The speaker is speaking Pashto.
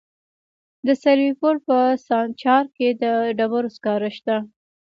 د سرپل په سانچارک کې د ډبرو سکاره شته.